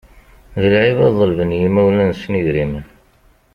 D lɛib ad ḍelben i yimawlan-nsen idrimen.